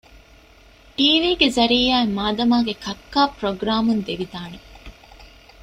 ޓީވީގެ ޒަރިއްޔާއިން މާދަމާގެ ކައްކާ ޕުރޮގްރާމުން ދެވިދާނެ